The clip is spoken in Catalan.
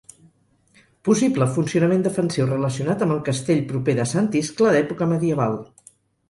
Possible funcionament defensiu relacionat amb el castell proper de Sant Iscle, d'època medieval.